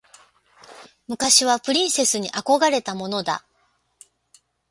昔はプリンセスに憧れたものだ。